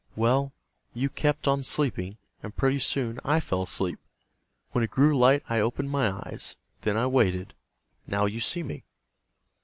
Well, you kept on sleeping, and pretty soon I fell asleep. When it grew light I opened my eyes. Then I waited. Now you see me."